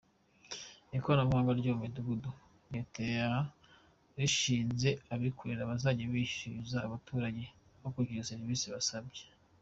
Ikoranabuhanga ryo mu midugudu, Leta yarishinze abikorera bazajya bishyuza abaturage hakurikijwe serivisi basabye.